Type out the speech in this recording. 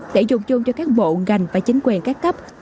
để dùng chung cho các bộ ngành và chính quyền các cấp